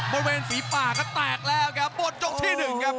บริเวณฝีปาก็แตกแล้วครับบนยกที่๑ครับ